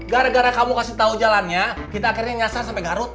gara gara kamu kasih tahu jalannya kita akhirnya nyasar sampai garut